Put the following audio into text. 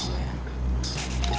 kita masuk dulu